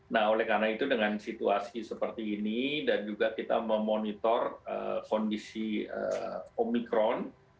nah oleh karena itu dengan situasi seperti ini dan juga kita memonitor kondisi omikron